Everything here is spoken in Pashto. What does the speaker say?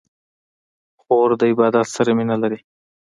خور د عبادت سره مینه لري.